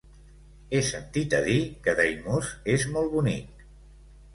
He sentit a dir que Daimús és molt bonic.